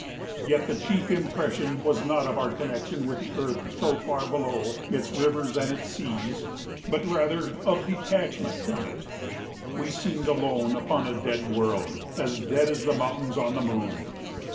Yet the chief impression was not of our connection with the earth so far below, its rivers and its seas, but rather of detachment from it. We seemed alone upon a dead world, as dead as the mountains on the moon.